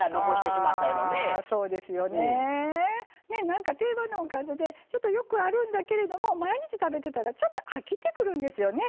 なんか定番のおかずでちょっとよくあるんだけれども毎日食べてたらちょっと飽きてくるんですよね。